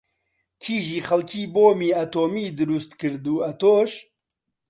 کیژی خەڵکی بۆمی ئاتۆمی دروست کرد و ئەتۆش